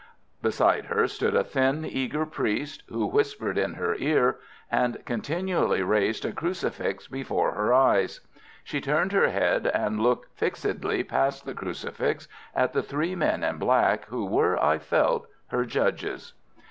Beside her stood a thin, eager priest, who whispered in her ear, and continually raised a crucifix before her eyes. She turned her head and looked fixedly past the crucifix at the three men in black, who were, I felt, her judges.